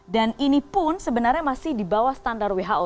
dan ini pun sebenarnya masih di bawah standar who